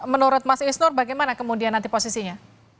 menurut mas isnur bagaimana kemudian nanti posisinya